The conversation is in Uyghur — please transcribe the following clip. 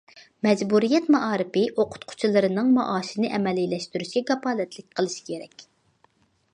مەجبۇرىيەت مائارىپى ئوقۇتقۇچىلىرىنىڭ مائاشىنى ئەمەلىيلەشتۈرۈشكە كاپالەتلىك قىلىش كېرەك.